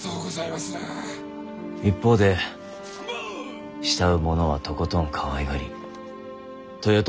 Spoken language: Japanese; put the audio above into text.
一方で慕う者はとことんかわいがり豊臣